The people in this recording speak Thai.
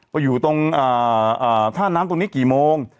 ไปอยู่ตรงท่าน้ำตรงนี้กี่โมง